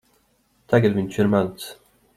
Tagad viņš ir mans.